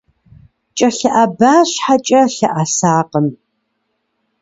КӀэлъыӀэба щхьэкӀэ лъэӀэсакъым.